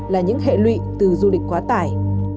là những hệ lụy từ du lịch quá tải